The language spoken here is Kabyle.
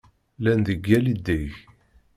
Llan deg yal ideg!